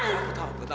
aku tahu aku tahu